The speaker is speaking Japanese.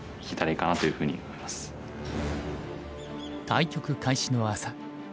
対局開始の朝。